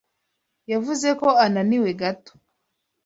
Yavuze ko ananiwe gato.